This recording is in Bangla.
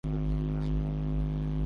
এটা হতেই হবে।